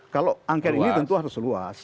kalau angka ini tentu harus luas